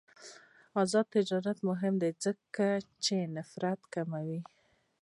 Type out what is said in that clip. آزاد تجارت مهم دی ځکه چې نفرت کموي.